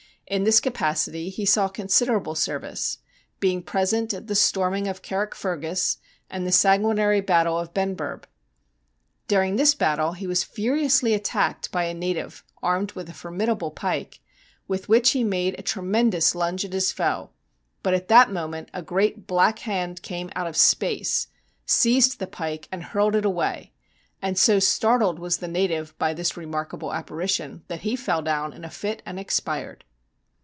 In this capacity he saw considerable service, being present at the storming of Carrickfergus and the sanguinary battle of Benburb. During this battle he was furiously at tacked by a native armed with a formidable pike, with which he made a tremendous lunge at his foe, but at that mo ment a great black hand came out of space, seized the pike, and hurled it away ; and so startled was the native by this remarkable apparition that he fell down in a fit and expired.